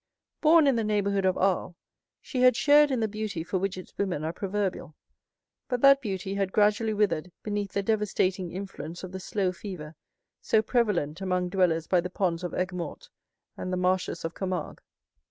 Born in the neighborhood of Arles, she had shared in the beauty for which its women are proverbial; but that beauty had gradually withered beneath the devastating influence of the slow fever so prevalent among dwellers by the ponds of Aiguemortes and the marshes of Camargue.